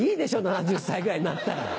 ７０歳ぐらいになったら。